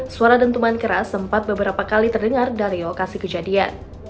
suara dentuman keras sempat beberapa kali terdengar dari lokasi kejadian